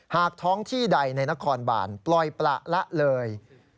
หากท้องที่ใดในนครบานปล่อยประละเลย